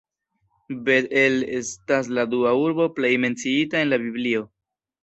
Bet-El estas la dua urbo plej menciita en la Biblio.